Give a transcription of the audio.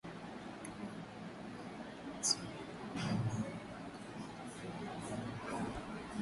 kuwa lughaya Kiswahili haikuwepo kabla ya